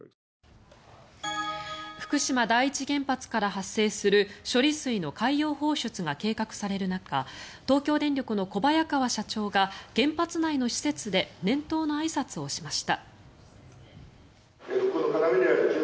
福島第一原発から発生する処理水の海洋放出が計画される中東京電力の小早川社長が原発内の施設で年頭のあいさつをしました。